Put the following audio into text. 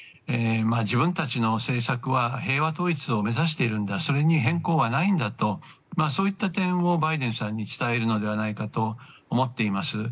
自分たちの政策は平和統一を目指しているんだそれに変更はないんだとそういった点をバイデンさんに伝えるのではないかと思っています。